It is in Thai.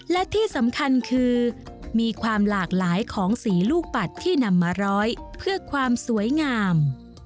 และที่สำคัญคือมีความหลากหลายของสีลูกปัดที่นำมาร้อยเพื่อความสวยงาม